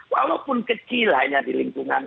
walaupun kecil hanya di lingkungan